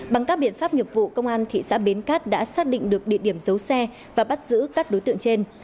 bằng các biện pháp nghiệp vụ công an thị xã bến cát đã xác định được địa điểm giấu xe và bắt giữ các đối tượng trên